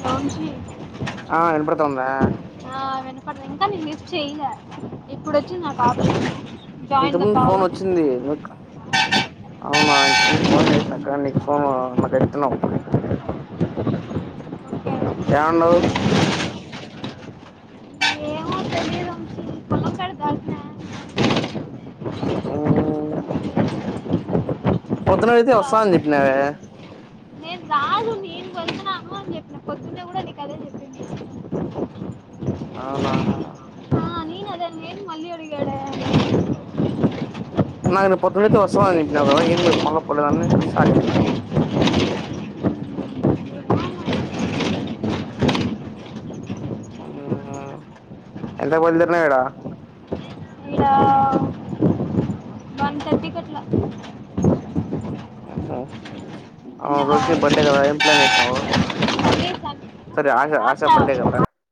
లోంచి ఆ ఆ ఇనపడుతోందా అప్పుడుది ఇంకా నేను లిఫ్ట్ చేయల ఇప్పుడు వచ్చింది నాకు ఆప్షన్స్ ఇంత ముందు ఫోన్ వచ్చింది నిక్ అవునా ఇంతక ముందు ఫోన్ చేసినా కానీ నీకు ఫోన్ ఇందాక ఎత్తినావ్ ఓకే యాడుండావ్ ఏమో తెలియదు అ వంశీ పొలం కాడ దాటినా ఉమ్ పొద్దున్న అడిగితే వస్తా అని చెప్పినావే నేను రాదు నేను వెళ్తున్నాను అని చెప్పిన పొద్దున్నే కూడా నీకు అదే చెప్పింది అవునా ఆ, నేను అదే నేను మళ్ళీ అడిగాడే నా ఇ పతు మ వస ఏ మళ్ళ పోలేద సాాక ఎ ఎంతా బలిితరణ ఎడా ఇక్కడ వన్ థర్టీకి అట్లా హ తిన్నవా రోజని బర్త్డే కదా ఏం ప్లాన్ చేసినవు మళ్ళీ సన్- సరే ఆశ ఆశా బడ్డే ఆశ కాప్ప